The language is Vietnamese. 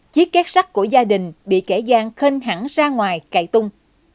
chiếc kết sắt của gia đình bị kẻ gian khênh hẳn ra ngoài cậy tung